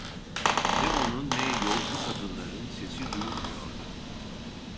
Ne onun, ne yolcu kadınların sesi duyulmuyordu.